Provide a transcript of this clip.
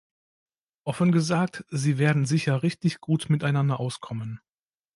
Offen gesagt, Sie werden sicher richtig gut miteinander auskommen.